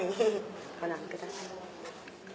ご覧ください。